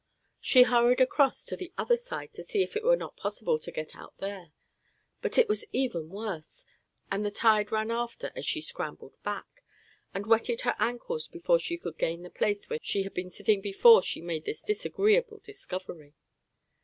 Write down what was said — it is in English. She hurried across to the other side to see if it were not possible to get out there; but it was even worse, and the tide ran after as she scrambled back, and wetted her ankles before she could gain the place where she had been sitting before she made this disagreeable discovery.